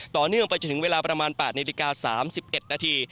ต่อเนื่องไปจนถึงเวลาประมาณ๘นาฬิกา๓๑นาที